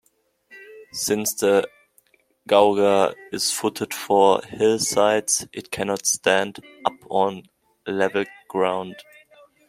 Since the gouger is footed for hillsides, it cannot stand up on level ground.